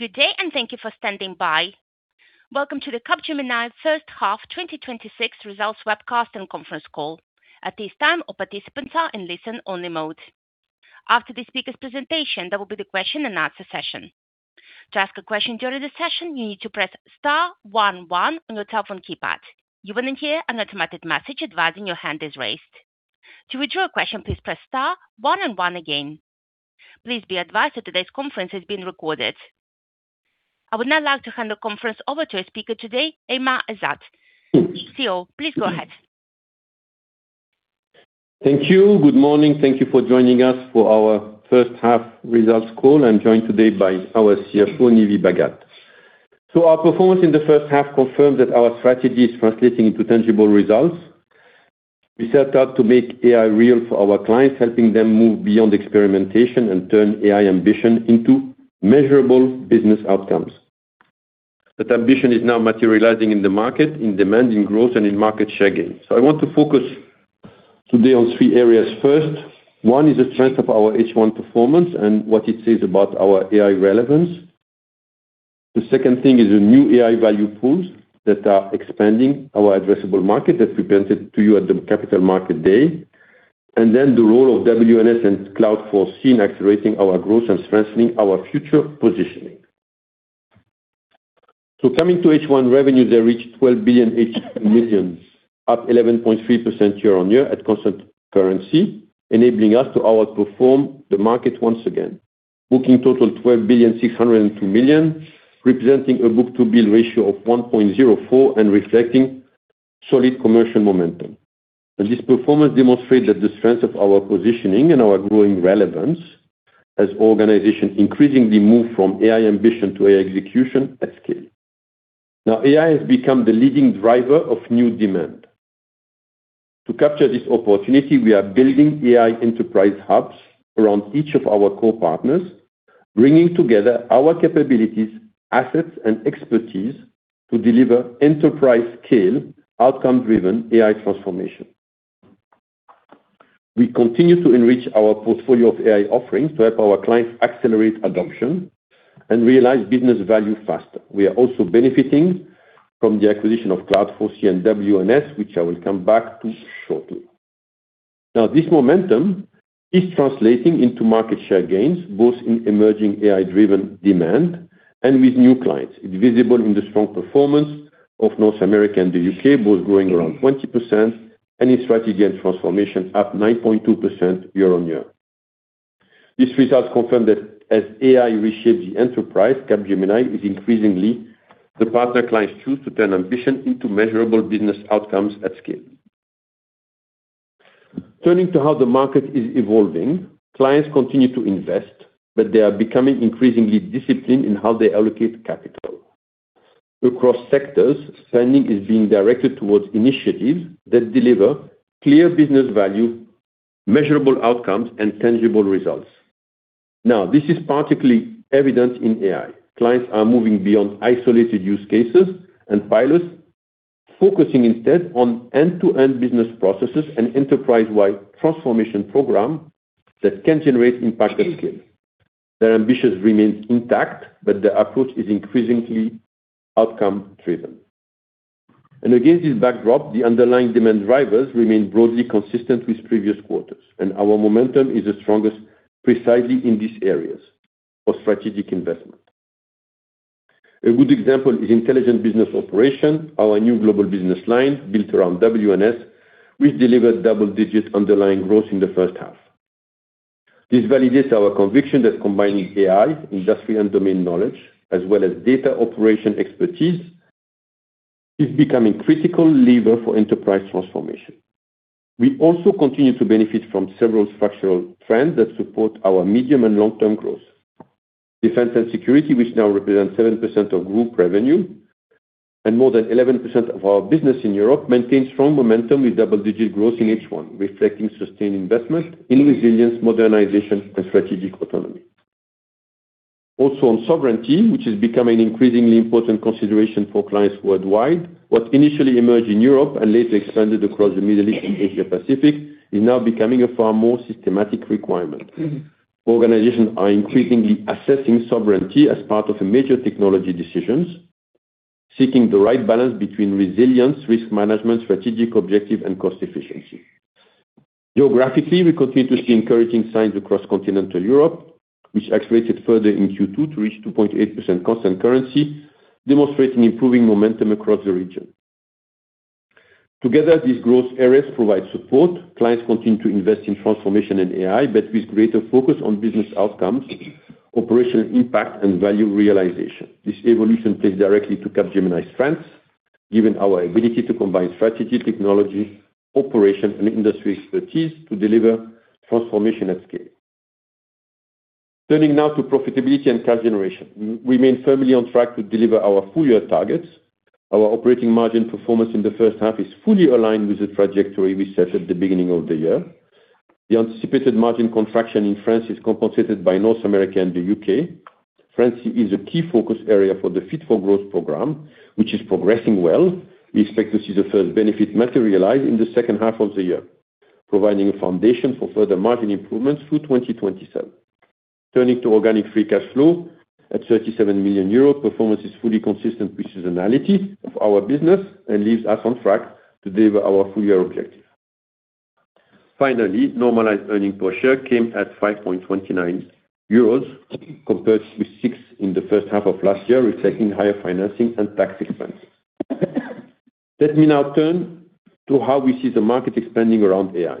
Good day. Thank you for standing by. Welcome to the Capgemini first half 2026 results webcast and conference call. At this time, all participants are in listen-only mode. After the speaker's presentation, there will be the question and answer session. To ask a question during the session, you need to press star one one on your telephone keypad. You will hear an automatic message advising your hand is raised. To withdraw your question, please press star one and one again. Please be advised that today's conference is being recorded. I would now like to hand the conference over to our speaker today, Aiman Ezzat, CEO. Please go ahead. Thank you. Good morning. Thank you for joining us for our first half results call. I'm joined today by our CFO, Nive Bhagat. Our performance in the first half confirms that our strategy is translating into tangible results. We set out to make AI real for our clients, helping them move beyond experimentation and turn AI ambition into measurable business outcomes. That ambition is now materializing in the market, in demand, in growth, and in market share gains. I want to focus today on three areas first. One is the strength of our H1 performance and what it says about our AI relevance. The second thing is the new AI value pools that are expanding our addressable market that we presented to you at the Capital Market Day. The role of WNS and Cloud4C accelerating our growth and strengthening our future positioning. Coming to H1 revenue, they reached 12,0 million, up 11.3% year-on-year at constant currency, enabling us to outperform the market once again. Booking total, 12 billion 602 million, representing a book-to-bill ratio of 1.04 and reflecting solid commercial momentum. This performance demonstrates the strength of our positioning and our growing relevance as organizations increasingly move from AI ambition to AI execution at scale. AI has become the leading driver of new demand. To capture this opportunity, we are building AI enterprise hubs around each of our core partners, bringing together our capabilities, assets, and expertise to deliver enterprise scale, outcome-driven AI transformation. We continue to enrich our portfolio of AI offerings to help our clients accelerate adoption and realize business value faster. We are also benefiting from the acquisition of Cloud4C and WNS, which I will come back to shortly. This momentum is translating into market share gains, both in emerging AI-driven demand and with new clients. It's visible in the strong performance of North America and the U.K., both growing around 20%, and in strategy and transformation at 9.2% year-on-year. These results confirm that as AI reshapes the enterprise, Capgemini is increasingly the partner clients choose to turn ambition into measurable business outcomes at scale. Turning to how the market is evolving, clients continue to invest, but they are becoming increasingly disciplined in how they allocate capital. Across sectors, spending is being directed towards initiatives that deliver clear business value, measurable outcomes, and tangible results. This is particularly evident in AI. Clients are moving beyond isolated use cases and pilots, focusing instead on end-to-end business processes and enterprise-wide transformation program that can generate impact at scale. Their ambitions remain intact. But the approach is increasingly outcome-driven. Against this backdrop, the underlying demand drivers remain broadly consistent with previous quarters, and our momentum is the strongest precisely in these areas of strategic investment. A good example is Intelligent Business Operations, our new global business line built around WNS, which delivered double-digit underlying growth in the first half. This validates our conviction that combining AI, industry, and domain knowledge, as well as data operation expertise, is becoming a critical lever for enterprise transformation. We also continue to benefit from several structural trends that support our medium and long-term growth. Defense and security, which now represents 7% of group revenue and more than 11% of our business in Europe, maintain strong momentum with double-digit growth in H1, reflecting sustained investment in resilience, modernization, and strategic autonomy. On sovereignty, which is becoming an increasingly important consideration for clients worldwide. What initially emerged in Europe and later expanded across the Middle East and Asia Pacific is now becoming a far more systematic requirement. Organizations are increasingly assessing sovereignty as part of major technology decisions, seeking the right balance between resilience, risk management, strategic objective, and cost efficiency. Geographically, we continue to see encouraging signs across continental Europe, which accelerated further in Q2 to reach 2.8% constant currency, demonstrating improving momentum across the region. Together, these growth areas provide support. Clients continue to invest in transformation and AI, but with greater focus on business outcomes, operational impact, and value realization. This evolution plays directly to Capgemini's strengths, given our ability to combine strategy, technology, operations, and industry expertise to deliver transformation at scale. Turning now to profitability and cash generation. We remain firmly on track to deliver our full-year targets. Our operating margin performance in the first half is fully aligned with the trajectory we set at the beginning of the year. The anticipated margin contraction in France is compensated by North America and the U.K. France is a key focus area for the Fit for Growth program, which is progressing well. We expect to see the first benefit materialize in the second half of the year. Providing a foundation for further margin improvements through 2027. Turning to organic free cash flow at 37 million euros, performance is fully consistent with seasonality of our business and leaves us on track to deliver our full-year objective. Finally, normalized earning per share came at 5.29 euros compared to 6 in the first half of last year, reflecting higher financing and tax expenses. Let me now turn to how we see the market expanding around AI.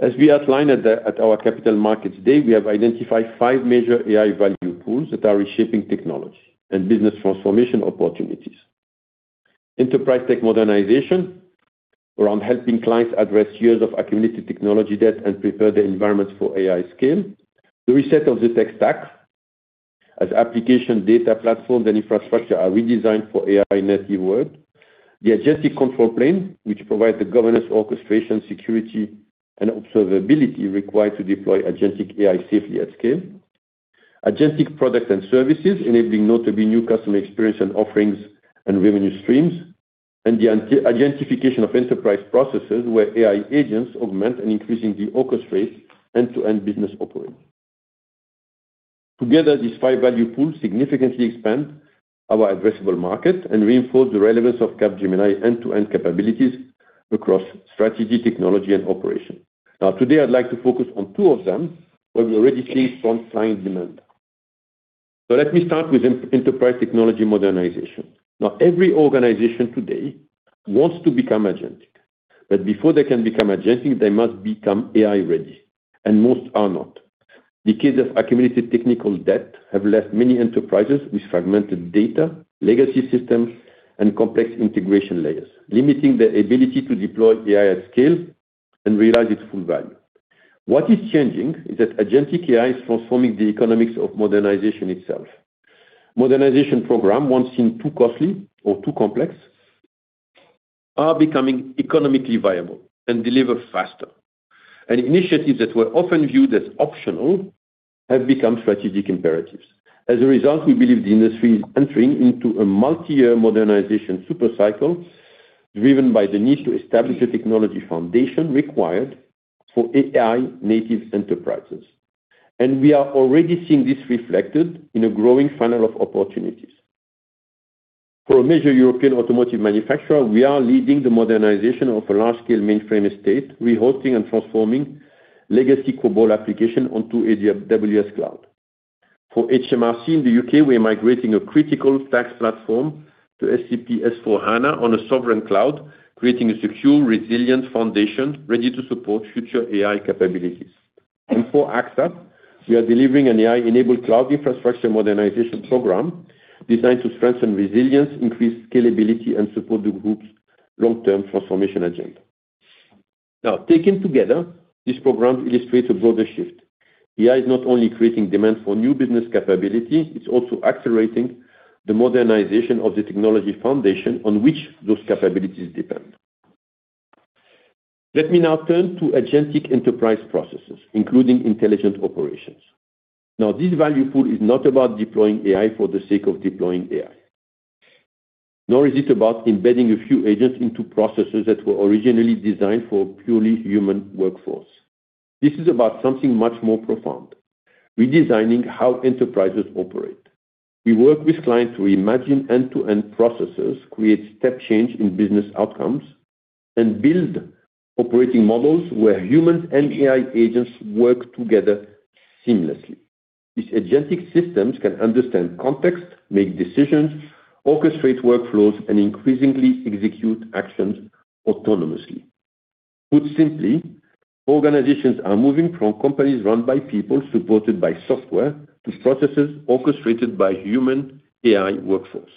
As we outlined at our Capital Markets Day, we have identified five major AI value pools that are reshaping technology and business transformation opportunities. Enterprise tech modernization around helping clients address years of accumulated technology debt and prepare the environments for AI scale. The reset of the tech stack as application data platforms and infrastructure are redesigned for AI native world. The agentic control plane, which provides the governance, orchestration, security, and observability required to deploy agentic AI safely at scale. Agentic products and services enabling notably new customer experience and offerings and revenue streams. The agentification of enterprise processes where AI agents augment and increasingly orchestrate end-to-end business operations. Together, these five value pools significantly expand our addressable market and reinforce the relevance of Capgemini end-to-end capabilities across strategy, technology, and operation. Today, I'd like to focus on two of them where we already see strong client demand. Let me start with enterprise technology modernization. Every organization today wants to become agentic, but before they can become agentic, they must become AI ready, and most are not. Decades of accumulated technical debt have left many enterprises with fragmented data, legacy systems, and complex integration layers, limiting the ability to deploy AI at scale and realize its full value. What is changing is that agentic AI is transforming the economics of modernization itself. Modernization program, once seen too costly or too complex, are becoming economically viable and deliver faster. Initiatives that were often viewed as optional have become strategic imperatives. As a result, we believe the industry is entering into a multi-year modernization super cycle, driven by the need to establish a technology foundation required for AI native enterprises. We are already seeing this reflected in a growing funnel of opportunities. For a major European automotive manufacturer, we are leading the modernization of a large-scale mainframe estate, rehosting and transforming legacy COBOL application onto AWS Cloud. For HMRC in the U.K., we are migrating a critical tax platform to SAP S/4HANA on a sovereign cloud, creating a secure, resilient foundation ready to support future AI capabilities. For AXA, we are delivering an AI-enabled cloud infrastructure modernization program designed to strengthen resilience, increase scalability, and support the group's long-term transformation agenda. Taken together, this program illustrates a broader shift. AI is not only creating demand for new business capability, it's also accelerating the modernization of the technology foundation on which those capabilities depend. Let me now turn to agentic enterprise processes, including intelligent operations. This value pool is not about deploying AI for the sake of deploying AI, nor is it about embedding a few agents into processes that were originally designed for purely human workforce. This is about something much more profound, redesigning how enterprises operate. We work with clients to reimagine end-to-end processes, create step change in business outcomes, and build operating models where humans and AI agents work together seamlessly. These agentic systems can understand context, make decisions, orchestrate workflows, and increasingly execute actions autonomously. Put simply, organizations are moving from companies run by people supported by software to processes orchestrated by human AI workforce.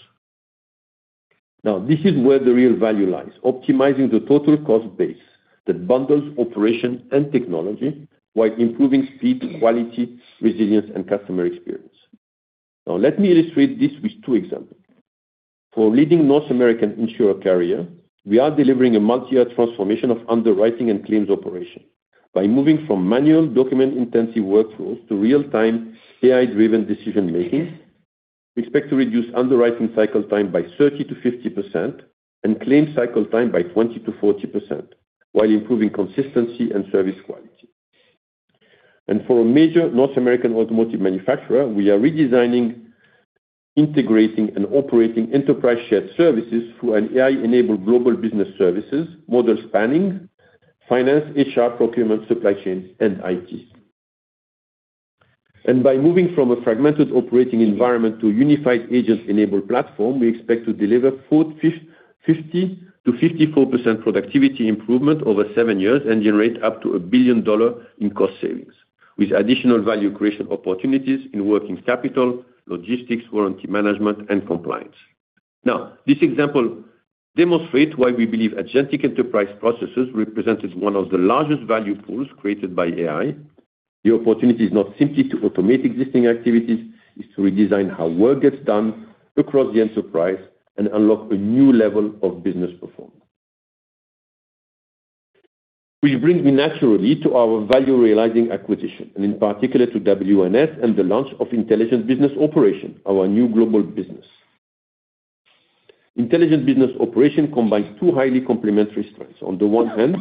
This is where the real value lies, optimizing the total cost base that bundles operation and technology while improving speed, quality, resilience, and customer experience. Let me illustrate this with two examples. For a leading North American insurer carrier, we are delivering a multi-year transformation of underwriting and claims operation. By moving from manual document-intensive workflows to real-time AI-driven decision-making, we expect to reduce underwriting cycle time by 30%-50% and claim cycle time by 20%-40%, while improving consistency and service quality. For a major North American automotive manufacturer, we are redesigning, integrating, and operating enterprise shared services through an AI-enabled global business services model spanning finance, HR, procurement, supply chains, and IT. By moving from a fragmented operating environment to unified agent-enabled platform, we expect to deliver 50%-54% productivity improvement over seven years and generate up to EUR 1 billion in cost savings, with additional value creation opportunities in working capital, logistics, warranty management, and compliance. This example demonstrates why we believe agentic enterprise processes represents one of the largest value pools created by AI. The opportunity is not simply to automate existing activities, it is to redesign how work gets done across the enterprise and unlock a new level of business performance. This brings me naturally to our value realizing acquisition, in particular to WNS and the launch of Intelligent Business Operation, our new global business. Intelligent Business Operation combines two highly complementary strengths. On the one hand,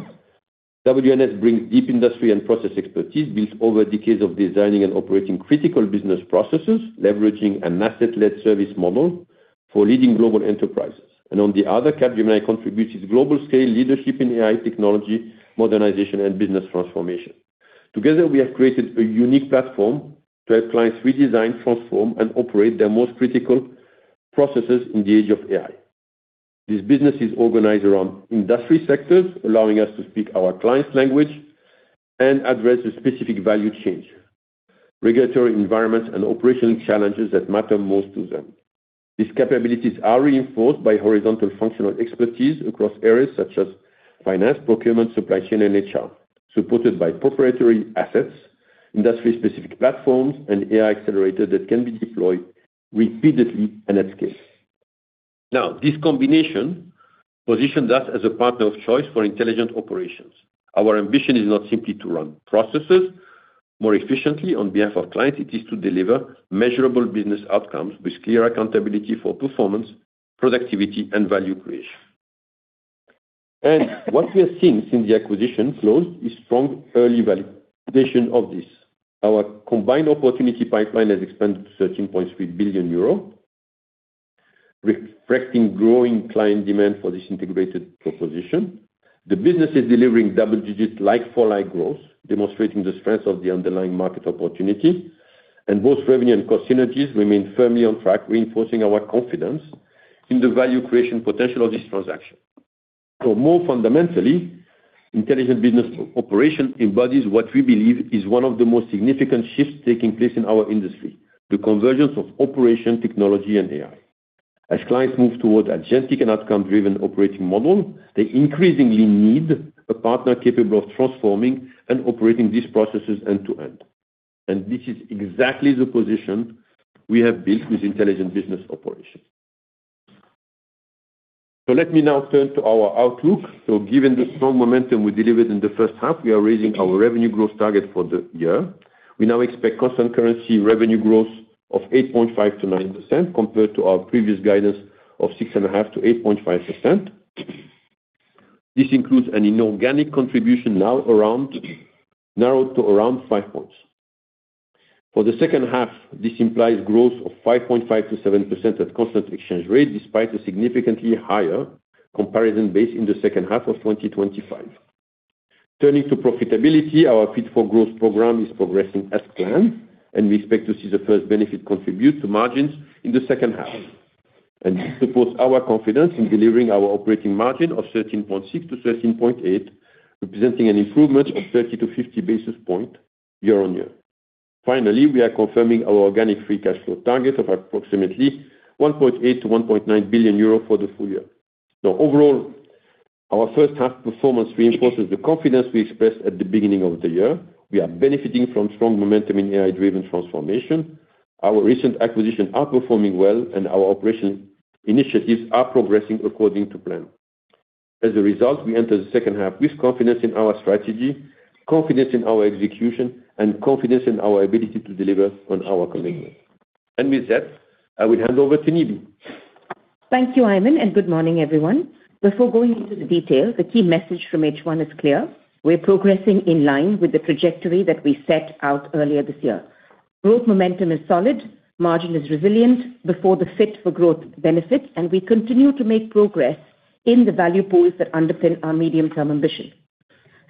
WNS brings deep industry and process expertise built over decades of designing and operating critical business processes, leveraging an asset-led service model for leading global enterprises. On the other, Capgemini contributes its global scale leadership in AI technology, modernization, and business transformation. Together, we have created a unique platform to help clients redesign, transform, and operate their most critical processes in the age of AI. This business is organized around industry sectors, allowing us to speak our clients' language and address the specific value chain, regulatory environments, and operational challenges that matter most to them. These capabilities are reinforced by horizontal functional expertise across areas such as finance, procurement, supply chain, and HR, supported by proprietary assets, industry-specific platforms, and AI accelerator that can be deployed repeatedly and at scale. This combination positions us as a partner of choice for intelligent operations. Our ambition is not simply to run processes more efficiently on behalf of clients, it is to deliver measurable business outcomes with clear accountability for performance, productivity, and value creation. What we have seen since the acquisition closed is strong early validation of this. Our combined opportunity pipeline has expanded to 13.3 billion euro, reflecting growing client demand for this integrated proposition. The business is delivering double-digit like-for-like growth, demonstrating the strength of the underlying market opportunity, both revenue and cost synergies remain firmly on track, reinforcing our confidence in the value creation potential of this transaction. More fundamentally, Intelligent Business Operation embodies what we believe is one of the most significant shifts taking place in our industry, the convergence of operational technology and AI. As clients move towards agentic and outcome-driven operating model, they increasingly need a partner capable of transforming and operating these processes end to end. This is exactly the position we have built with Intelligent Business Operations. Let me now turn to our outlook. Given the strong momentum we delivered in the first half, we are raising our revenue growth target for the year. We now expect constant currency revenue growth of 8.5%-9% compared to our previous guidance of 6.5%-8.5%. This includes an inorganic contribution narrowed to around five points. For the second half, this implies growth of 5.5%-7% at constant exchange rate, despite a significantly higher comparison base in the second half of 2025. Turning to profitability, our Fit for Growth Program is progressing as planned, we expect to see the first benefit contribute to margins in the second half. This supports our confidence in delivering our operating margin of 13.6%-13.8%, representing an improvement of 30 to 50 basis points year-on-year. Finally, we are confirming our organic free cash flow target of approximately 1.8 billion-1.9 billion euro for the full year. Overall, our first half performance reinforces the confidence we expressed at the beginning of the year. We are benefiting from strong momentum in AI-driven transformation. Our recent acquisitions are performing well, and our operation initiatives are progressing according to plan. As a result, we enter the second half with confidence in our strategy, confidence in our execution, and confidence in our ability to deliver on our commitments. With that, I will hand over to Nive. Thank you, Aiman, good morning, everyone. Before going into the detail, the key message from H1 is clear. We are progressing in line with the trajectory that we set out earlier this year. Growth momentum is solid, margin is resilient before the Fit-for-Growth benefit, and we continue to make progress in the value pools that underpin our medium-term ambition.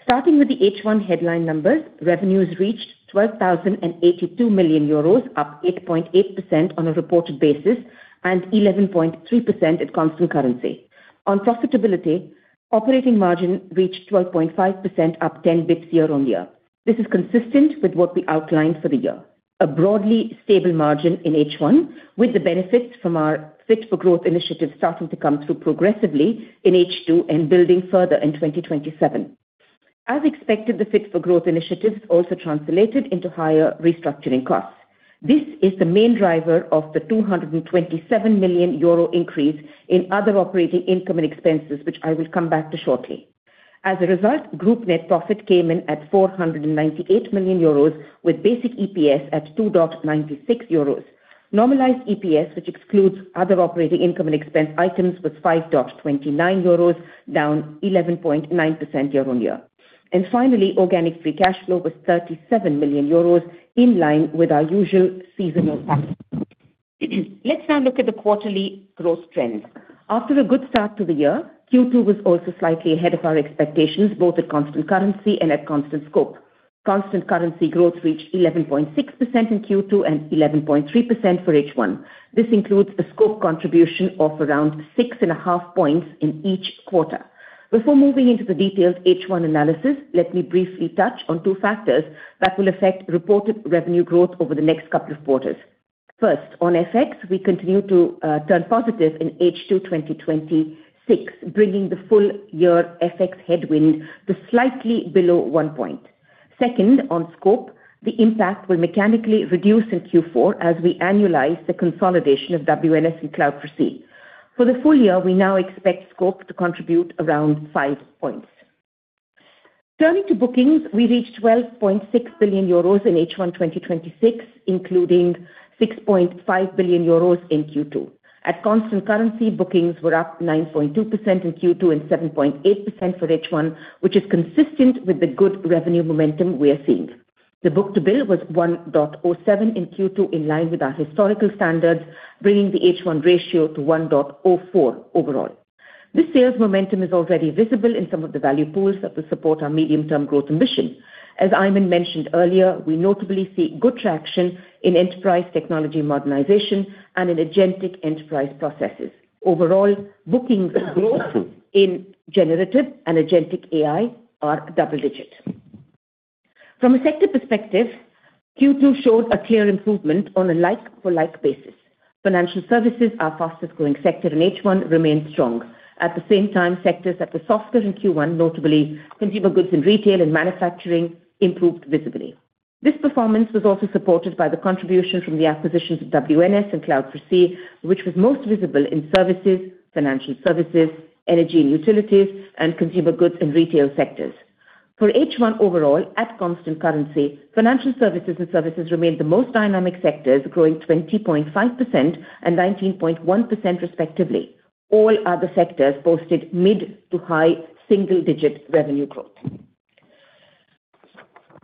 Starting with the H1 headline numbers, revenues reached 12,082 million euros, up 8.8% on a reported basis and 11.3% at constant currency. On profitability, operating margin reached 12.5%, up 10 bps year-on-year. This is consistent with what we outlined for the year, a broadly stable margin in H1 with the benefits from our Fit-for-Growth initiative starting to come through progressively in H2 and building further in 2027. As expected, the Fit-for-Growth initiative also translated into higher restructuring costs. This is the main driver of the 227 million euro increase in other operating income and expenses, which I will come back to shortly. As a result, group net profit came in at 498 million euros, with basic EPS at 2.96 euros. Normalized EPS, which excludes other operating income and expense items, was 5.29 euros, down 11.9% year-on-year. Finally, organic free cash flow was 37 million euros, in line with our usual seasonal pattern. Let's now look at the quarterly growth trends. After a good start to the year, Q2 was also slightly ahead of our expectations, both at constant currency and at constant scope. Constant currency growth reached 11.6% in Q2 and 11.3% for H1. This includes a scope contribution of around six and a half points in each quarter. Before moving into the detailed H1 analysis, let me briefly touch on two factors that will affect reported revenue growth over the next couple of quarters. First, on FX, we continue to turn positive in H2 2026, bringing the full-year FX headwind to slightly below one point. Second, on scope, the impact will mechanically reduce in Q4 as we annualize the consolidation of WNS and Cloud4C. For the full year, we now expect scope to contribute around five points. Turning to bookings, we reached 12.6 billion euros in H1 2026, including 6.5 billion euros in Q2. At constant currency, bookings were up 9.2% in Q2 and 7.8% for H1, which is consistent with the good revenue momentum we are seeing. The book-to-bill was 1.07 in Q2 in line with our historical standards, bringing the H1 ratio to 1.04 overall. This sales momentum is already visible in some of the value pools that will support our medium-term growth ambition. As Aiman mentioned earlier, we notably see good traction in enterprise technology modernization and in agentic enterprise processes. Overall, bookings growth in generative and agentic AI are double-digit. From a sector perspective, Q2 showed a clear improvement on a like-for-like basis. Financial services, our fastest growing sector in H1, remained strong. At the same time, sectors that were softer than Q1, notably consumer goods and retail and manufacturing, improved visibly. This performance was also supported by the contribution from the acquisitions of WNS and Cloud4C, which was most visible in services, financial services, energy and utilities, and consumer goods and retail sectors. For H1 overall, at constant currency, financial services and services remained the most dynamic sectors, growing 20.5% and 19.1% respectively. All other sectors posted mid to high single-digit revenue growth.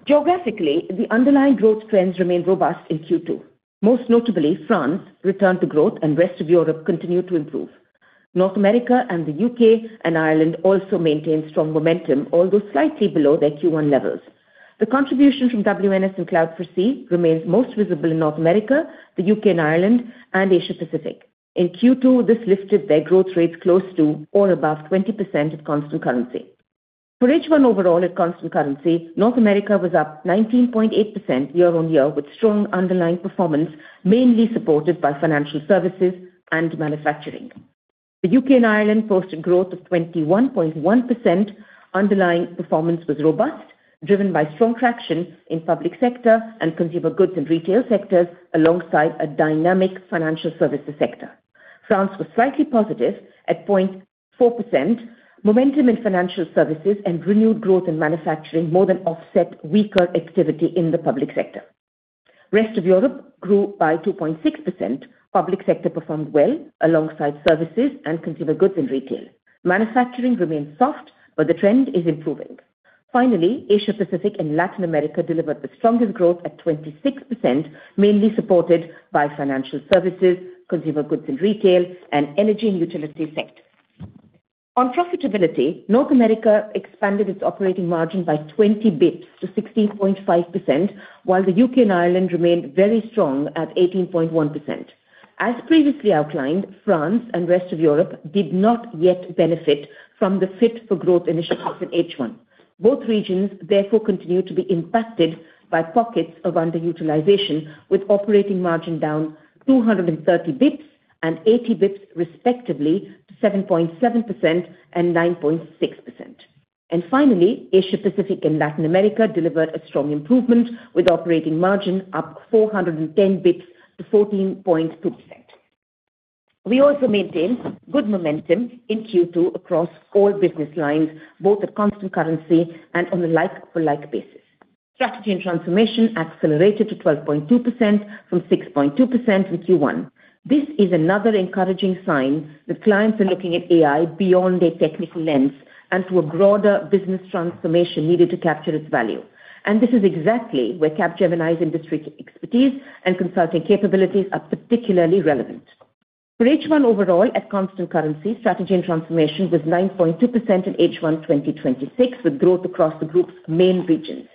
Geographically, the underlying growth trends remained robust in Q2. Most notably, France returned to growth and rest of Europe continued to improve. North America and the U.K. and Ireland also maintained strong momentum, although slightly below their Q1 levels. The contribution from WNS and Cloud4C remains most visible in North America, the U.K. and Ireland, and Asia-Pacific. In Q2, this lifted their growth rates close to or above 20% at constant currency. For H1 overall at constant currency, North America was up 19.8% year-on-year, with strong underlying performance, mainly supported by financial services and manufacturing. The U.K. and Ireland posted growth of 21.1%. Underlying performance was robust, driven by strong traction in public sector and consumer goods and retail sectors alongside a dynamic financial services sector. France was slightly positive at 0.4%. Momentum in financial services and renewed growth in manufacturing more than offset weaker activity in the public sector. Rest of Europe grew by 2.6%. Public sector performed well alongside services and consumer goods and retail. Manufacturing remains soft, but the trend is improving. Finally, Asia-Pacific and Latin America delivered the strongest growth at 26%, mainly supported by financial services, consumer goods and retail, and energy and utility sectors. On profitability, North America expanded its operating margin by 20 basis points to 16.5%, while the U.K. and Ireland remained very strong at 18.1%. As previously outlined, France and rest of Europe did not yet benefit from the Fit for Growth initiatives in H1. Both regions therefore continued to be impacted by pockets of underutilization, with operating margin down 230 basis points and 80 basis points respectively to 7.7% and 9.6%. Finally, Asia-Pacific and Latin America delivered a strong improvement with operating margin up 410 basis points to 14.2%. We also maintained good momentum in Q2 across all business lines, both at constant currency and on a like-for-like basis. Strategy and transformation accelerated to 12.2% from 6.2% in Q1. This is another encouraging sign that clients are looking at AI beyond a technical lens and to a broader business transformation needed to capture its value. This is exactly where Capgemini's industry expertise and consulting capabilities are particularly relevant. For H1 overall, at constant currency, strategy and transformation was 9.2% in H1 2026 with growth across the group's main regions.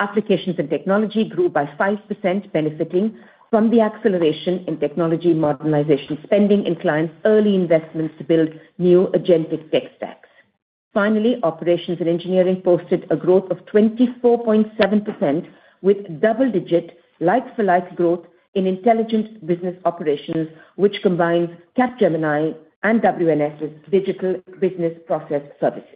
Applications and technology grew by 5%, benefiting from the acceleration in technology modernization spending and clients' early investments to build new agentic tech stacks. Finally, operations and engineering posted a growth of 24.7% with double-digit like-for-like growth in Intelligent Business Operations, which combines Capgemini and WNS's digital business process services.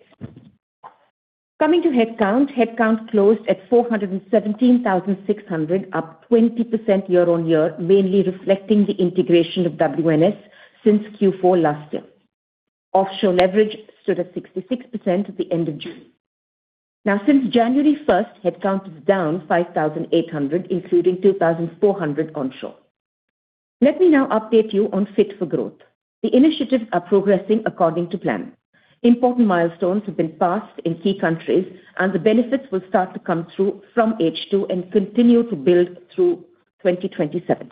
Headcount closed at 417,600, up 20% year-on-year, mainly reflecting the integration of WNS since Q4 last year. Offshore leverage stood at 66% at the end of June. Since January 1st, headcount is down 5,800, including 2,400 onshore. Let me now update you on Fit for Growth. The initiatives are progressing according to plan. Important milestones have been passed in key countries, the benefits will start to come through from H2 and continue to build through 2027.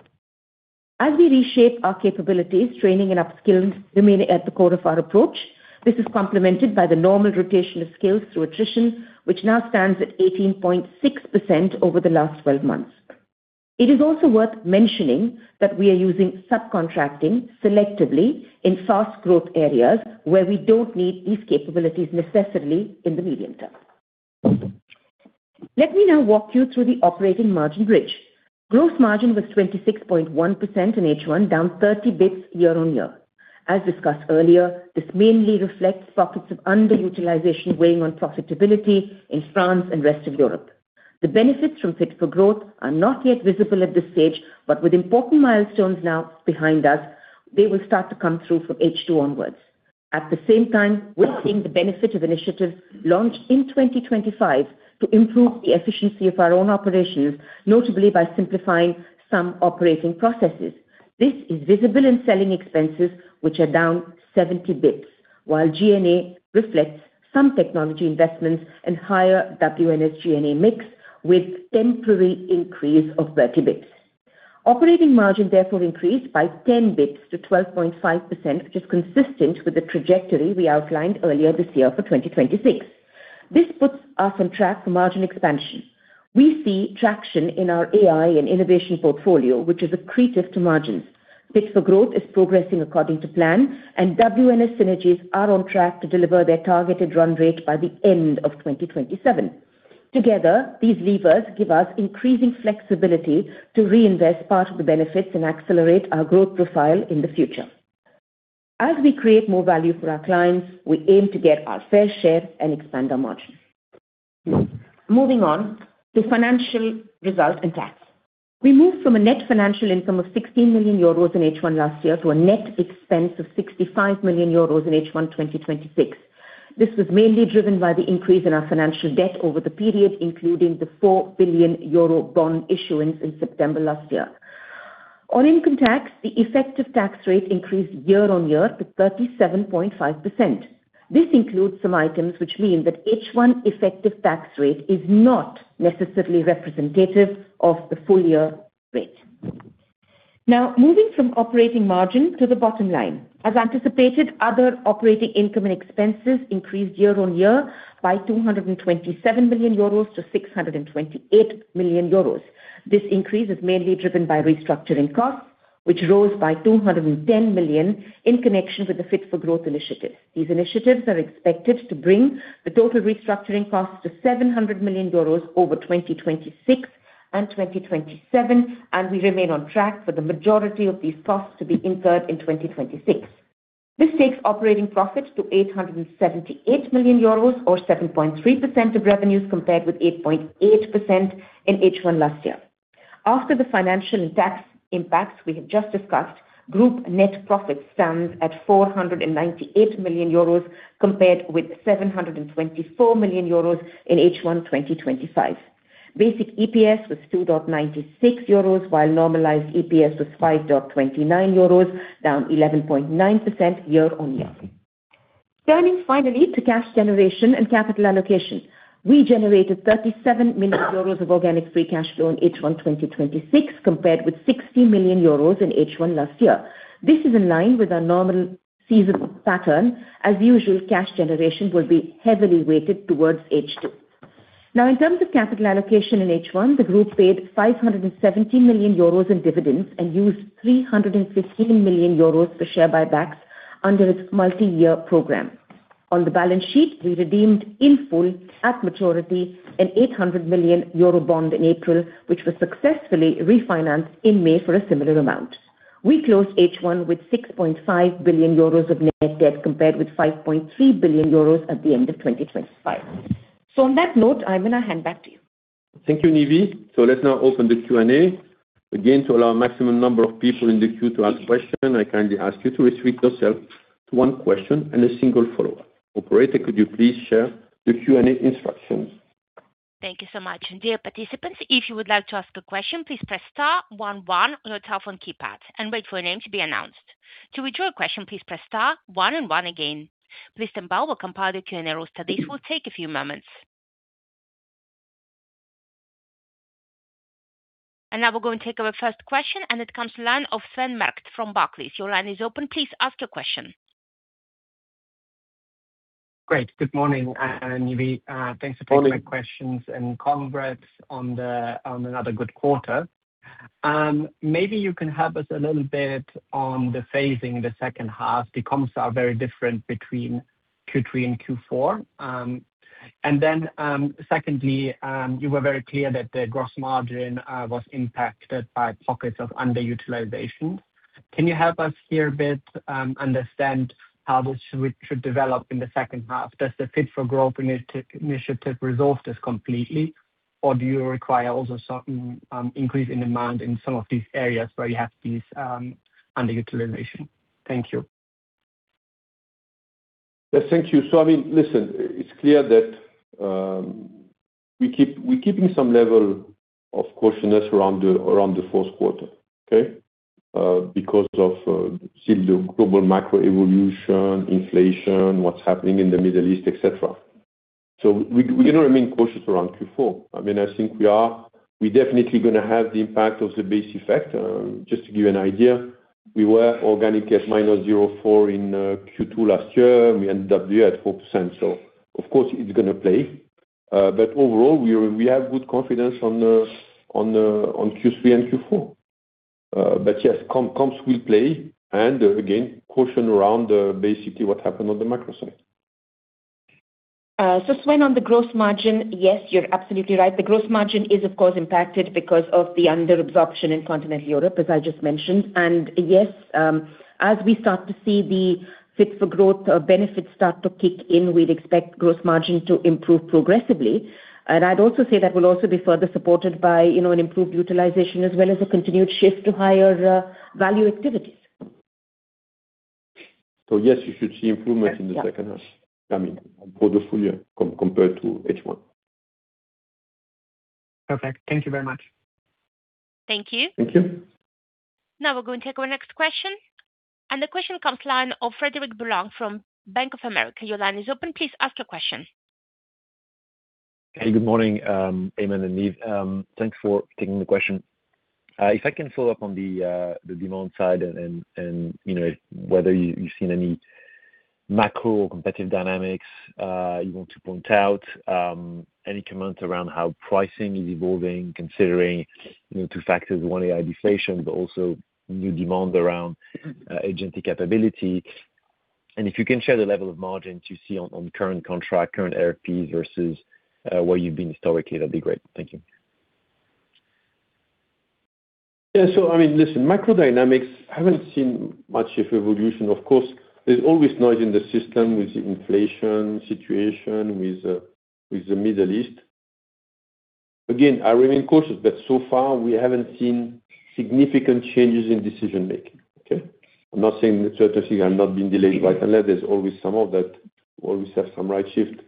As we reshape our capabilities, training and upskilling remain at the core of our approach. This is complemented by the normal rotation of skills through attrition, which now stands at 18.6% over the last 12 months. It is also worth mentioning that we are using subcontracting selectively in fast growth areas where we don't need these capabilities necessarily in the medium term. Let me now walk you through the operating margin bridge. Gross margin was 26.1% in H1, down 30 basis points year-on-year. As discussed earlier, this mainly reflects pockets of underutilization weighing on profitability in France and rest of Europe. The benefits from Fit for Growth are not yet visible at this stage, with important milestones now behind us, they will start to come through from H2 onwards. At the same time, we are seeing the benefit of initiatives launched in 2025 to improve the efficiency of our own operations, notably by simplifying some operating processes. This is visible in selling expenses, which are down 70 basis points, while G&A reflects some technology investments and higher WNS G&A mix with temporary increase of 30 basis points. Operating margin therefore increased by 10 basis points to 12.5%, which is consistent with the trajectory we outlined earlier this year for 2026. This puts us on track for margin expansion. We see traction in our AI and innovation portfolio, which is accretive to margins. Fit for Growth is progressing according to plan, WNS synergies are on track to deliver their targeted run rate by the end of 2027. Together, these levers give us increasing flexibility to reinvest part of the benefits and accelerate our growth profile in the future. As we create more value for our clients, we aim to get our fair share and expand our margins. Moving on to financial results and tax. We moved from a net financial income of 60 million euros in H1 last year to a net expense of 65 million euros in H1 2026. This was mainly driven by the increase in our financial debt over the period, including the 4 billion euro bond issuance in September last year. On income tax, the effective tax rate increased year-on-year to 37.5%. This includes some items which mean that H1 effective tax rate is not necessarily representative of the full year rate. Moving from operating margin to the bottom line. As anticipated, other operating income and expenses increased year-on-year by 227 million euros to 628 million euros. This increase is mainly driven by restructuring costs, which rose by 210 million in connection with the Fit for Growth initiative. These initiatives are expected to bring the total restructuring costs to 700 million euros over 2026 and 2027, we remain on track for the majority of these costs to be incurred in 2026. This takes operating profits to 878 million euros or 7.3% of revenues, compared with 8.8% in H1 last year. After the financial and tax impacts we have just discussed, group net profit stands at 498 million euros, compared with 724 million euros in H1 2025. Basic EPS was 2.96 euros, while normalized EPS was 5.29 euros, down 11.9% year-on-year. Turning finally to cash generation and capital allocation. We generated 37 million euros of organic free cash flow in H1 2026, compared with 60 million euros in H1 last year. This is in line with our normal seasonal pattern. As usual, cash generation will be heavily weighted towards H2. In terms of capital allocation in H1, the group paid 517 million euros in dividends and used 315 million euros for share buybacks under its multi-year program. On the balance sheet, we redeemed in full at maturity an 800 million euro bond in April, which was successfully refinanced in May for a similar amount. We closed H1 with 6.5 billion euros of net debt, compared with 5.3 billion euros at the end of 2025. On that note, Aiman, I hand back to you. Thank you, Nive. Let's now open the Q&A. Again, to allow maximum number of people in the queue to ask question, I kindly ask you to restrict yourself to one question and a single follow-up. Operator, could you please share the Q&A instructions? Thank you so much. Dear participants, if you would like to ask a question, please press star one one on your telephone keypad and wait for your name to be announced. To withdraw a question, please press star one and one again. Please stand by while we compile the Q&A roster. This will take a few moments. Now we're going to take our first question, and it comes the line of Sven Merkt from Barclays. Your line is open. Please ask your question. Great. Good morning, Nive. Morning. Thanks for taking my questions, congrats on another good quarter. Maybe you can help us a little bit on the phasing the second half. The comps are very different between Q3 and Q4. Then secondly, you were very clear that the gross margin was impacted by pockets of underutilization. Can you help us here a bit understand how this should develop in the second half? Does the Fit for Growth initiative resolve this completely, or do you require also some increase in demand in some of these areas where you have this underutilization? Thank you. Yes. Thank you. Listen, it's clear that we're keeping some level of cautiousness around the fourth quarter, okay? Because of still the global macro evolution, inflation, what's happening in the Middle East, et cetera. We're going to remain cautious around Q4. I think we're definitely going to have the impact of the base effect. Just to give you an idea, we were organic at -04% in Q2 last year, we ended up there at 4%. Of course it's going to play. Overall, we have good confidence on Q3 and Q4. Yes, comps will play and again, caution around basically what happened on the macro side. Sven, on the gross margin, yes, you're absolutely right. The gross margin is of course impacted because of the under-absorption in Continental Europe, as I just mentioned. Yes, as we start to see the Fit for Growth benefits start to kick in, we'd expect gross margin to improve progressively. I'd also say that will also be further supported by an improved utilization as well as a continued shift to higher value activities. Yes, you should see improvement in the second half coming for the full year compared to H1. Perfect. Thank you very much. Thank you. Thank you. Now we're going to take our next question. The question comes line of Frederic Boulan from Bank of America. Your line is open, please ask your question. Hey, good morning, Aiman and Nive. Thanks for taking the question. If I can follow up on the demand side and whether you've seen any macro competitive dynamics you want to point out, any comments around how pricing is evolving considering two factors, one, AI deflation, but also new demand around agent capability. If you can share the level of margins you see on current contract, current RFPs versus where you've been historically, that'd be great. Thank you. Yeah. Listen, macro dynamics haven't seen much of evolution. Of course, there's always noise in the system with the inflation situation, with the Middle East. Again, I remain cautious, but so far we haven't seen significant changes in decision-making. Okay? I'm not saying certain things have not been delayed right now. There's always some of that. Always have some right shift,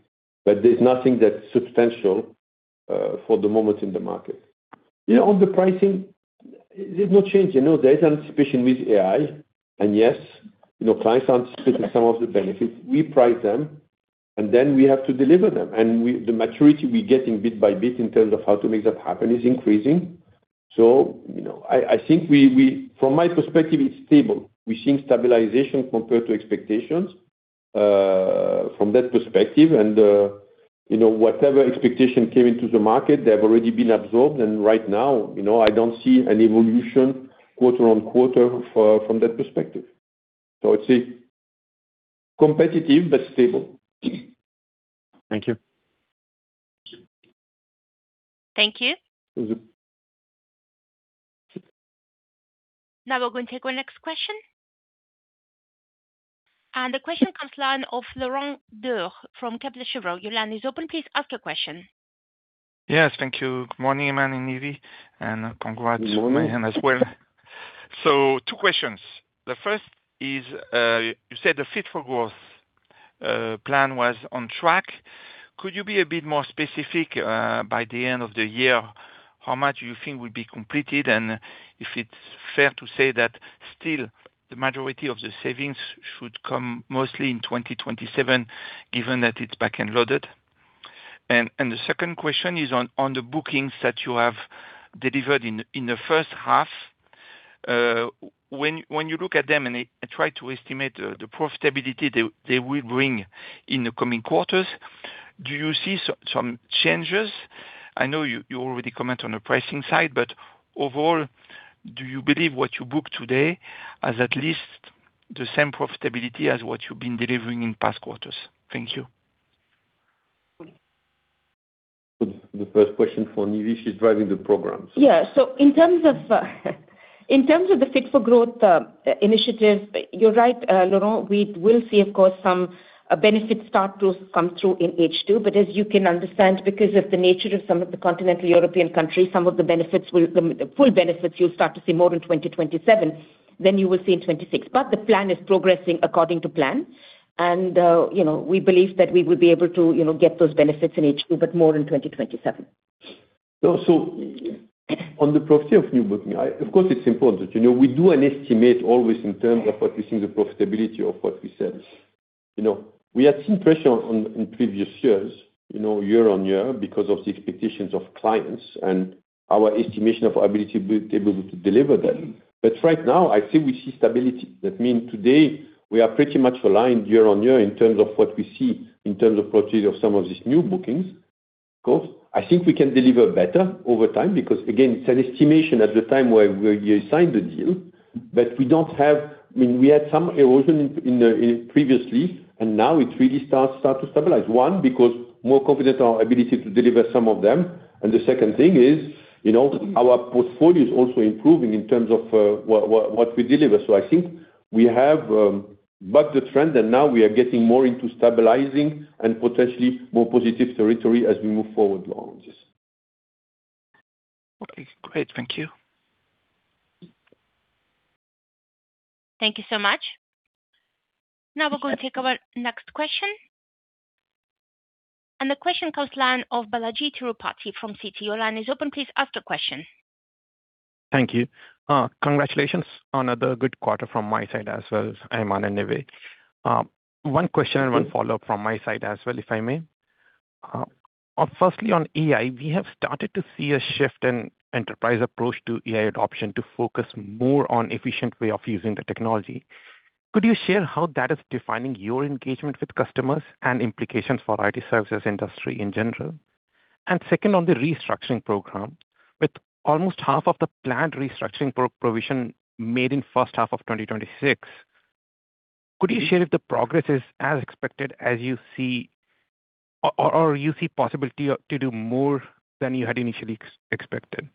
but there's nothing that's substantial for the moment in the market. On the pricing, there's no change. There is anticipation with AI, yes, clients are anticipating some of the benefits. We price them, then we have to deliver them. The maturity we get in bit by bit in terms of how to make that happen is increasing. I think from my perspective, it's stable. We're seeing stabilization compared to expectations from that perspective. Whatever expectation came into the market, they have already been absorbed, and right now, I don't see an evolution quarter-on-quarter from that perspective. I'd say competitive, but stable. Thank you. Thank you. Now we're going to take our next question. The question comes line of Laurent Daure from Kepler Cheuvreux. Your line is open. Please ask your question. Yes, thank you. Good morning, Aiman and Nive. Congrats to [Mayur] as well. Good morning. Two questions. The first is, you said the Fit for Growth plan was on track. Could you be a bit more specific by the end of the year, how much you think will be completed, and if it's fair to say that still the majority of the savings should come mostly in 2027, given that it's back-end loaded? The second question is on the bookings that you have delivered in the first half. When you look at them and try to estimate the profitability they will bring in the coming quarters, do you see some changes? I know you already comment on the pricing side, but overall, do you believe what you book today has at least the same profitability as what you've been delivering in past quarters? Thank you. The first question for Nive. She's driving the programs. In terms of the Fit for Growth initiative, you're right, Laurent. We will see, of course, some benefits start to come through in H2. As you can understand, because of the nature of some of the continental European countries, some of the full benefits you'll start to see more in 2027 than you will see in 2026. The plan is progressing according to plan. We believe that we will be able to get those benefits in H2, but more in 2027. On the profit of new booking, of course, it's important. We do an estimate always in terms of what we think the profitability of what we sell is. We had seen pressure in previous years, year-on-year because of the expectations of clients and our estimation of our ability to be able to deliver them. Right now, I think we see stability. That means today we are pretty much aligned year-on-year in terms of what we see in terms of profits of some of these new bookings. Of course, I think we can deliver better over time because, again, it's an estimation at the time where you sign the deal. We had some erosion previously, and now it really starts to stabilize. One, because more confident in our ability to deliver some of them, and the second thing is our portfolio is also improving in terms of what we deliver. I think we have bucked the trend, and now we are getting more into stabilizing and potentially more positive territory as we move forward, Laurent. Okay, great. Thank you. Thank you so much. Now we're going to take our next question. The question comes line of Balajee Tirupati from Citi. Your line is open, please ask your question. Thank you. Congratulations on another good quarter from my side as well as Aiman and Nive. One question and one follow-up from my side as well, if I may. Firstly, on AI, we have started to see a shift in enterprise approach to AI adoption to focus more on efficient way of using the technology. Could you share how that is defining your engagement with customers and implications for IT services industry in general? Second, on the restructuring program, with almost half of the planned restructuring provision made in first half of 2026, could you share if the progress is as expected as you see, or you see possibility to do more than you had initially expected?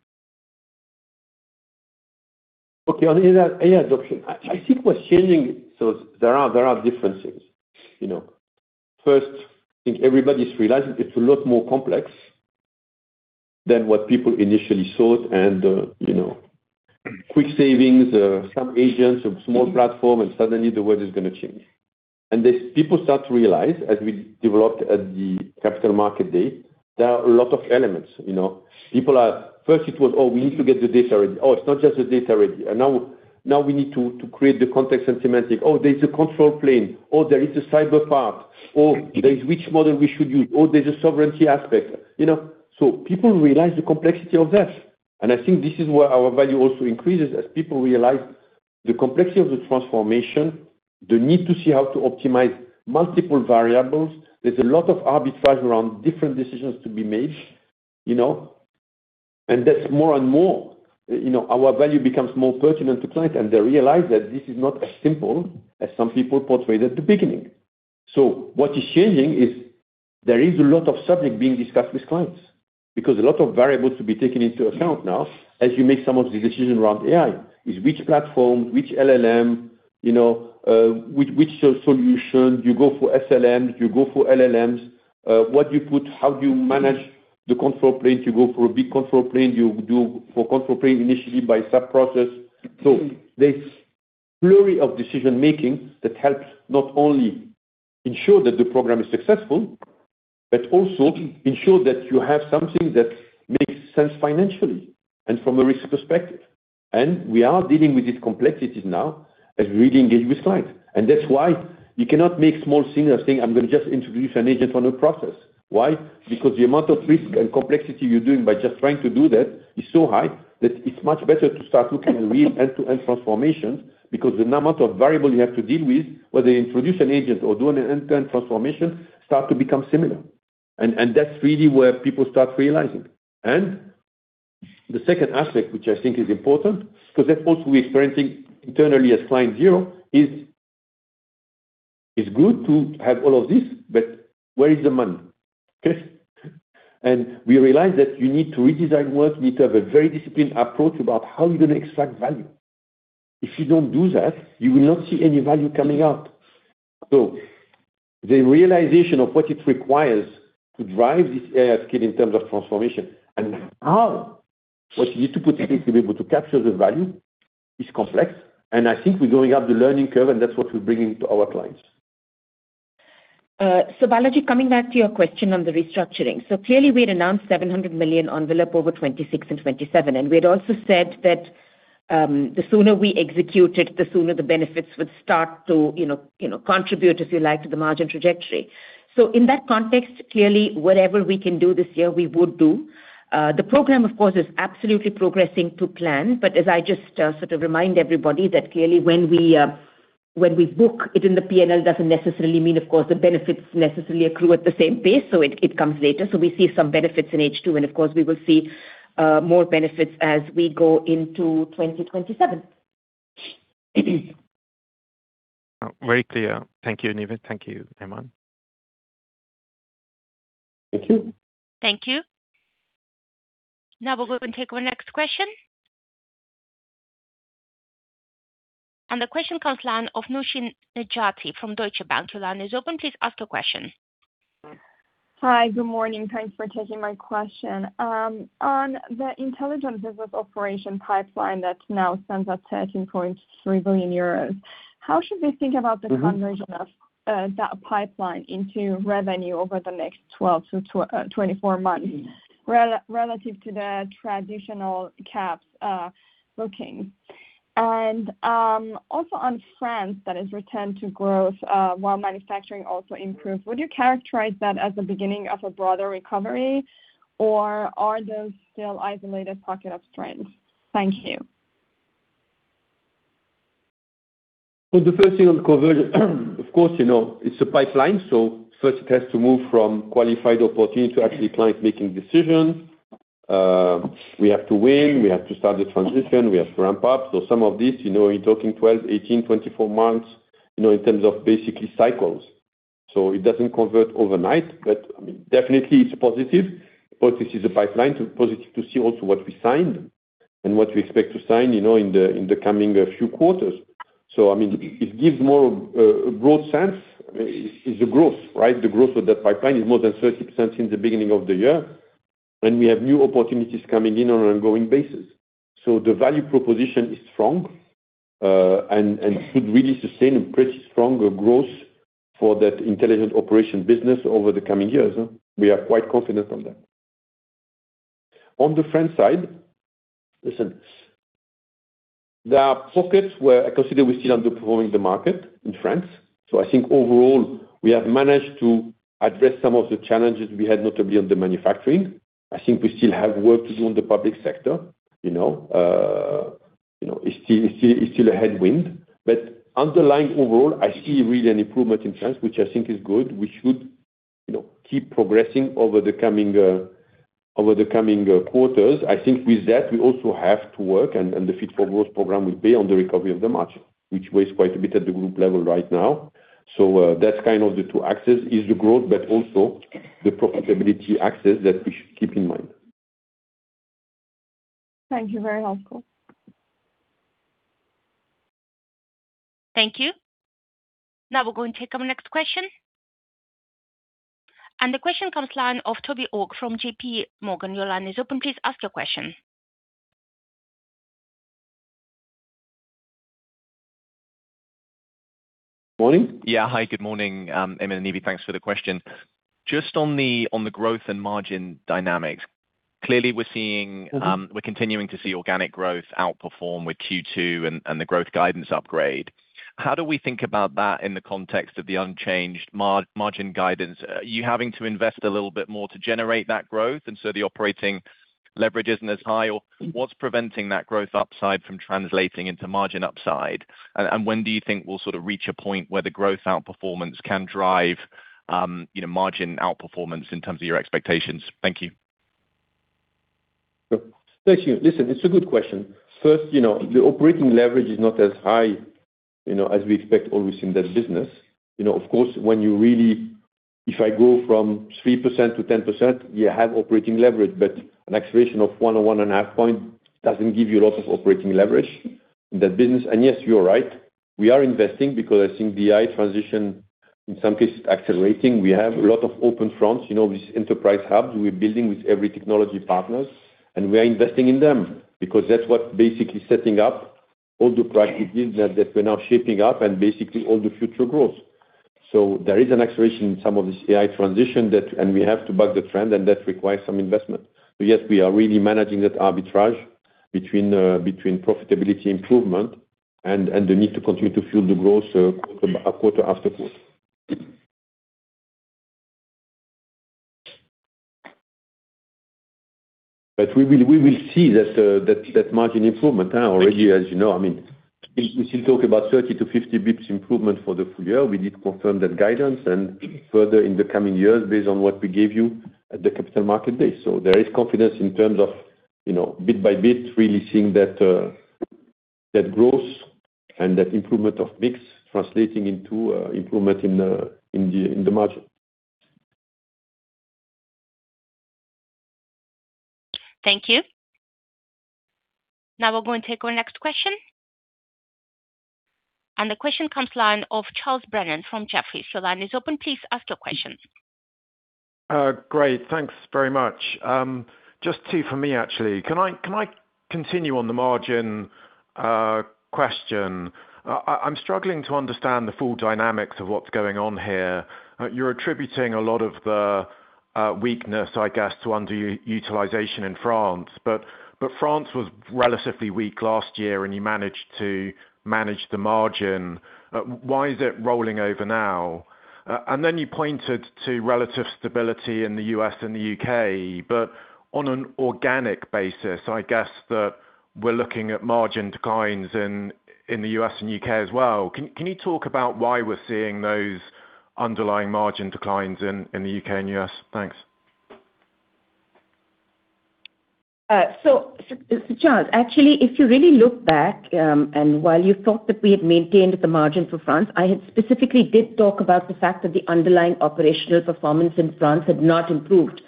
Okay. On AI adoption, I think what's changing, there are differences. First, I think everybody's realizing it's a lot more complex than what people initially thought and quick savings, some agents, some small platform, and suddenly the world is going to change. People start to realize, as we developed at the Capital Markets Day, there are a lot of elements. First it was, "Oh, we need to get the data ready. Oh, it's not just the data ready. Now we need to create the context and semantic. Oh, there's a control plane. Oh, there is a cyber part. Oh, there is which model we should use. Oh, there's a sovereignty aspect." People realize the complexity of that. I think this is where our value also increases, as people realize the complexity of the transformation, the need to see how to optimize multiple variables. There's a lot of arbitrage around different decisions to be made. That's more and more, our value becomes more pertinent to client, and they realize that this is not as simple as some people portrayed at the beginning. What is changing is there is a lot of subject being discussed with clients because a lot of variables to be taken into account now as you make some of the decision around AI, is which platform, which LLM, which solution, you go for SLMs, you go for LLMs, what you put, how do you manage the control plane? Do you go for a big control plane? Do you do for control plane initially by sub-process? There's flurry of decision-making that helps not only ensure that the program is successful, but also ensure that you have something that makes sense financially and from a risk perspective. We are dealing with these complexities now as we reengage with clients. That's why you cannot make small signals saying, "I'm going to just introduce an agent on a process." Why? Because the amount of risk and complexity you're doing by just trying to do that is so high that it's much better to start looking at real end-to-end transformation because the amount of variable you have to deal with, whether you introduce an agent or do an end-to-end transformation, start to become similar. That's really where people start realizing. The second aspect, which I think is important, because that's also we're experiencing internally as client zero is, it's good to have all of this, but where is the money? Okay? We realize that you need to redesign work, you need to have a very disciplined approach about how you're going to extract value. If you don't do that, you will not see any value coming out. The realization of what it requires to drive this AI skill in terms of transformation and how, what you need to put in place to be able to capture the value is complex. I think we're going up the learning curve, and that's what we're bringing to our clients. Balajee, coming back to your question on the restructuring. Clearly we had announced 700 million envelope over 2026 and 2027. We had also said that the sooner we execute it, the sooner the benefits would start to contribute, if you like, to the margin trajectory. In that context, clearly whatever we can do this year, we would do. The program, of course, is absolutely progressing to plan. As I just sort of remind everybody that clearly when we book it in the P&L does not necessarily mean, of course, the benefits necessarily accrue at the same pace. It comes later. We see some benefits in H2, and of course, we will see more benefits as we go into 2027. Very clear. Thank you, Nive. Thank you, Aiman. Thank you. Thank you. Now we'll go and take our next question. The question comes line of Nooshin Nejati from Deutsche Bank. The line is open, please ask your question. Hi. Good morning. Thanks for taking my question. On the Intelligent Business Operations pipeline that now stands at 13.3 billion euros, how should we think about the conversion of that pipeline into revenue over the next 12 to 24 months relative to the traditional Caps bookings? Also on France that has returned to growth, while manufacturing also improved. Would you characterize that as the beginning of a broader recovery or are those still isolated pocket of strengths? Thank you. The first thing on conversion, of course, it's a pipeline, first it has to move from qualified opportunity to actually client making decisions. We have to win, we have to start the transition, we have to ramp up. Some of this, you're talking 12, 18, 24 months, in terms of basically cycles. It doesn't convert overnight, but definitely it's positive. This is a pipeline to positive to see also what we signed and what we expect to sign in the coming few quarters. It gives more broad sense. It's the growth, right? The growth of that pipeline is more than 30% since the beginning of the year, and we have new opportunities coming in on an ongoing basis. The value proposition is strong, and should really sustain a pretty stronger growth for that Intelligent operation business over the coming years. We are quite confident on that. On the France side, listen, there are pockets where I consider we're still underperforming the market in France. I think overall we have managed to address some of the challenges we had, notably on the manufacturing. I think we still have work to do on the public sector. It's still a headwind, but underlying overall, I see really an improvement in France, which I think is good. We should keep progressing over the coming quarters. I think with that, we also have to work, and the Fit for Growth program will be on the recovery of the margin, which weighs quite a bit at the group level right now. That's kind of the two axes, is the growth, but also the profitability axis that we should keep in mind. Thank you. Very helpful. Thank you. Now we're going to take our next question. The question comes line of Toby Ogg from JPMorgan. Your line is open, please ask your question. Morning. Hi, good morning. Aiman and Nive, thanks for the question. Just on the growth and margin dynamics. Clearly, we're continuing to see organic growth outperform with Q2 and the growth guidance upgrade. How do we think about that in the context of the unchanged margin guidance? Are you having to invest a little bit more to generate that growth, and so the operating leverage isn't as high? Or what's preventing that growth upside from translating into margin upside? When do you think we'll sort of reach a point where the growth outperformance can drive margin outperformance in terms of your expectations? Thank you. Thank you. Listen, it's a good question. First, the operating leverage is not as high as we expect always in that business. Of course, if I go from 3% to 10%, you have operating leverage, but an acceleration of one or one and a half point doesn't give you a lot of operating leverage in that business. Yes, you are right. We are investing because I think the AI transition, in some cases, is accelerating. We have a lot of open fronts, these enterprise hubs we're building with every technology partners, and we are investing in them because that's what basically setting up all the practices that we're now shaping up and basically all the future growth. There is an acceleration in some of this AI transition, and we have to back the trend, and that requires some investment. Yes, we are really managing that arbitrage between profitability improvement and the need to continue to fuel the growth quarter after quarter. We will see that margin improvement. Already, as you know, we still talk about 30 to 50 basis points improvement for the full year. We did confirm that guidance and further in the coming years based on what we gave you at the Capital Markets Day. There is confidence in terms of bit by bit, really seeing that growth and that improvement of mix translating into improvement in the margin. Thank you. Now we're going to take our next question, and the question comes line of Charles Brennan from Jefferies. Your line is open, please ask your question. Great. Thanks very much. Just two for me, actually. Can I continue on the margin question? I'm struggling to understand the full dynamics of what's going on here. You're attributing a lot of the weakness, I guess, to underutilization in France, but France was relatively weak last year, and you managed to manage the margin. Why is it rolling over now? You pointed to relative stability in the U.S. and the U.K., but on an organic basis, I guess that we're looking at margin declines in the U.S. and U.K. as well. Can you talk about why we're seeing those underlying margin declines in the U.K. and U.S.? Thanks. Charles, actually, if you really look back, while you thought that we had maintained the margin for France, I specifically did talk about the fact that the underlying operational performance in France had not improved,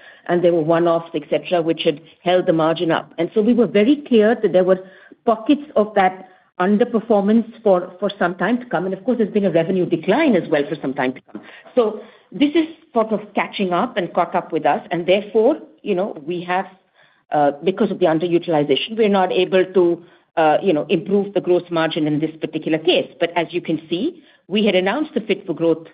there were one-offs, et cetera, which had held the margin up. We were very clear that there were pockets of that underperformance for some time to come. Of course, there's been a revenue decline as well for some time to come. This is sort of catching up and caught up with us, therefore, because of the underutilization, we're not able to improve the growth margin in this particular case. As you can see, we had announced the Fit for Growth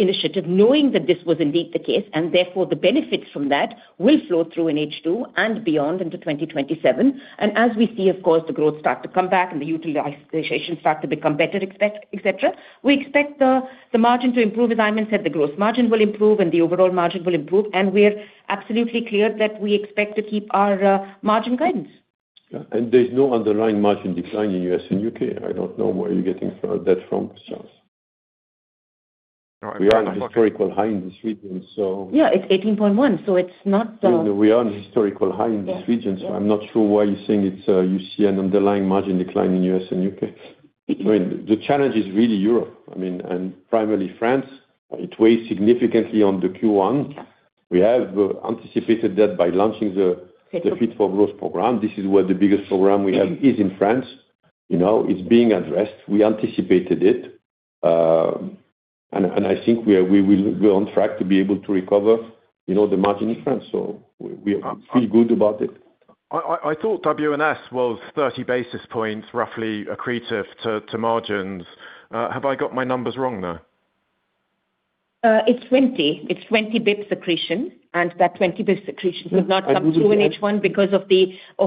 initiative knowing that this was indeed the case, therefore, the benefits from that will flow through in H2 and beyond into 2027. As we see, of course, the growth start to come back and the utilization start to become better, et cetera, we expect the margin to improve. As Aiman said, the gross margin will improve and the overall margin will improve, and we're absolutely clear that we expect to keep our margin guidance. Yeah. There's no underlying margin decline in U.S. and U.K. I don't know where you're getting that from, Charles. We are at a historical high in this region. Yeah, it's 18.1, so it's not. We are on a historical high in this region. Yes. I'm not sure why you're saying you see an underlying margin decline in U.S. and U.K. I mean, the challenge is really Europe. Primarily France. It weighs significantly on the Q1. We have anticipated that by launching the Fit for Growth program. This is where the biggest program we have is in France. It's being addressed. We anticipated it. I think we're on track to be able to recover the margin in France. We feel good about it. I thought WNS was 30 basis points, roughly accretive to margins. Have I got my numbers wrong, though? It's 20. It's 20 basis points accretion, that 20 basis points accretion does not come through in H1 because of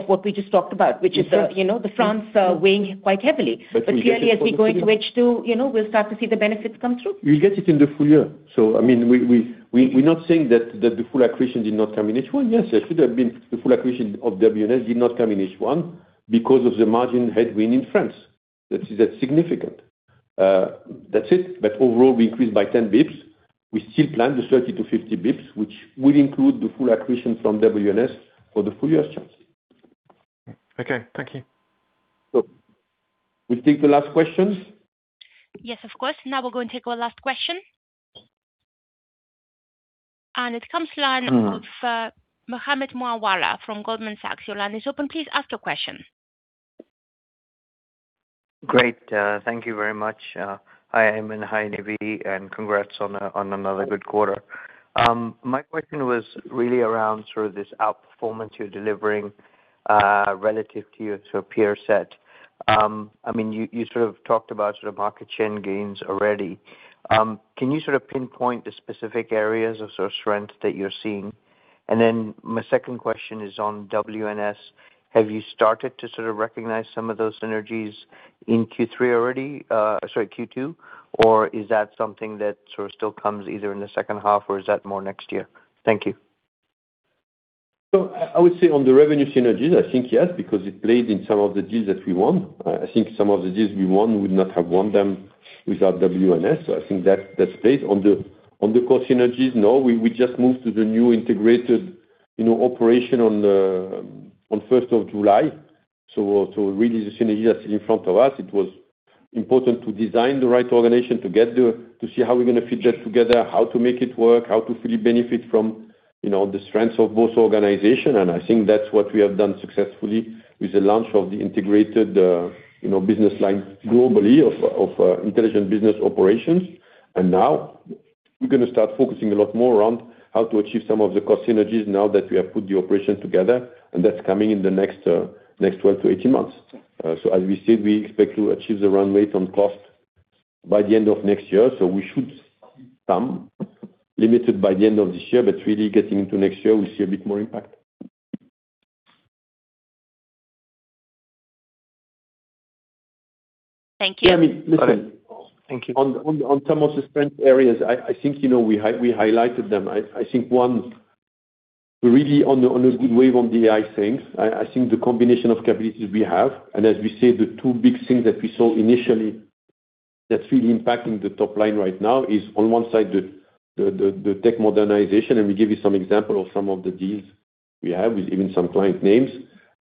what we just talked about, which is the France weighing quite heavily. Clearly, as we go into H2, we'll start to see the benefits come through. You'll get it in the full year. I mean, we're not saying that the full accretion did not come in H1. Yes, there should have been the full accretion of WNS did not come in H1 because of the margin headwind in France. That's significant. That's it. Overall, we increased by 10 basis points. We still plan the 30 to 50 basis points, which will include the full accretion from WNS for the full year. Okay. Thank you. We take the last questions? Yes, of course. Now we're going to take our last question. It comes line of Mohammed Moawalla from Goldman Sachs. Your line is open, please ask your question. Great. Thank you very much. Hi, Aiman. Hi, Nive, and congrats on another good quarter. My question was really around sort of this outperformance you're delivering, relative to your peer set. You sort of talked about sort of market share gains already. Can you sort of pinpoint the specific areas of sort of strength that you're seeing? Then my second question is on WNS. Have you started to sort of recognize some of those synergies in Q3 already? Sorry, Q2. Is that something that sort of still comes either in the second half, or is that more next year? Thank you. I would say on the revenue synergies, I think yes, because it played in some of the deals that we won. I think some of the deals we won, we would not have won them without WNS. I think that's played. On the core synergies, no, we just moved to the new integrated operation on the 1st of July. Really the synergies is in front of us. It was important to design the right organization to see how we're going to fit that together, how to make it work, how to fully benefit from the strengths of both organization. I think that's what we have done successfully with the launch of the integrated business line globally of Intelligent Business Operations. Now we're going to start focusing a lot more around how to achieve some of the cost synergies now that we have put the operation together, and that's coming in the next 12 to 18 months. As we said, we expect to achieve the run rate on cost by the end of next year. We should come limited by the end of this year, but really getting into next year, we'll see a bit more impact. Thank you. Yeah, I mean, listen. Thank you. On some of the strength areas, we highlighted them. We're really on a good wave on the AI. The combination of capabilities we have, and as we said, the two big things that we saw initially that's really impacting the top line right now is on one side, the tech modernization, and we give you some examples of some of the deals we have with even some client names.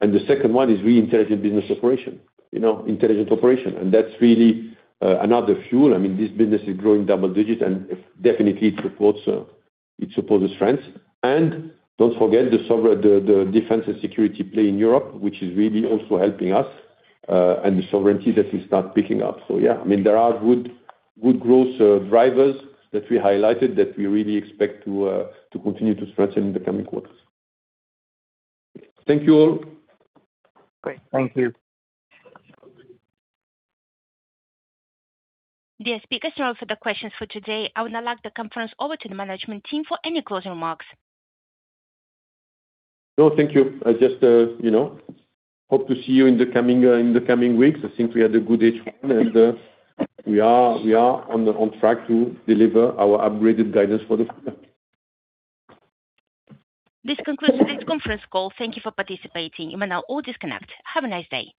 The second one is really Intelligent Business Operations. That's really another fuel. This business is growing double-digit, definitely it supports its supposed strengths. Don't forget the defense and security play in Europe, which is really also helping us, and the sovereign cloud that we start picking up. There are good growth drivers that we highlighted that we really expect to continue to strengthen in the coming quarters. Thank you all. Great. Thank you. Dear speakers, that was all for the questions for today. I would now like the conference over to the management team for any closing remarks. No, thank you. I just hope to see you in the coming weeks. I think we had a good H1 and we are on track to deliver our upgraded guidance for the quarter. This concludes today's conference call. Thank you for participating. You may now all disconnect. Have a nice day.